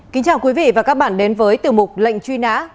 kính chào quý vị và các bạn đến với tiểu mục lệnh truy nã